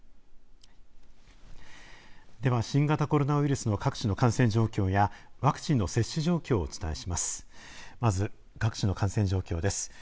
では、新型コロナウイルスの各地の感染状況やワクチンの接種状況をお伝えします。